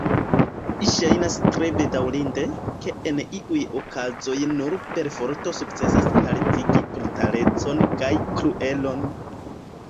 Ŝajnas tre bedaŭrinde, ke en iuj okazoj nur perforto sukcesas haltigi brutalecon kaj kruelon.